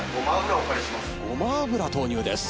ごま油投入です。